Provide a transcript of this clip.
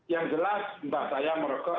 yang jelas mbak saya merokok